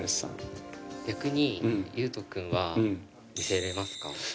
逆に、裕翔君は見せれますか？